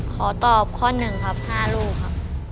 ขอตอบข้อ๑ครับ๕ลูกครับ